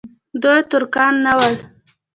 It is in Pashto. دوی ترکان نه ول.